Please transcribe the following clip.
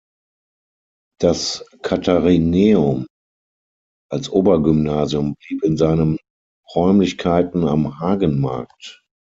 Das Katharineum als Obergymnasium blieb in seinen Räumlichkeiten am Hagenmarkt.